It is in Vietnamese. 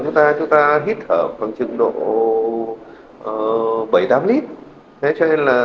chúng ta có thể hít thở khoảng trường độ bảy tám lit